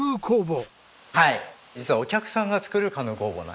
実はお客さんが作るカヌー工房なんですね。